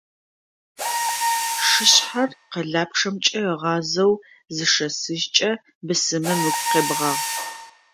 Шышъхьэр къэлапчъэмкӏэ ыгъазэу зышэсыжькӏэ, бысымым ыгу къебгъагъ.